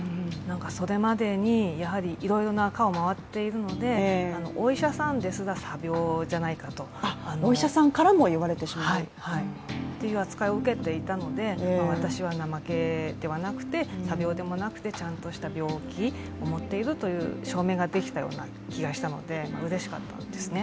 それまでにやはりいろいろな科を回っているのでお医者さんですら詐病じゃないかとという扱いを受けていたので私は怠けではなくて詐病でもなくてちゃんとした病気を持っているという証明ができたような気がしたのでうれしかったですね。